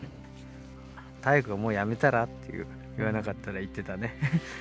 妙子が「もうやめたら？」と言わなかったら行ってたね。